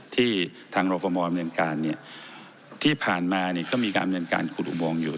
ที่ทางราคมรมเนียนการเนี่ยที่ผ่านมาเนี่ยก็มีการเนียนการขุดอุโมงอยู่